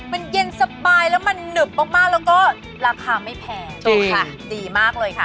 มันเย็นสบายแล้วมันหนึบมากแล้วก็ราคาไม่แพงค่ะดีมากเลยค่ะ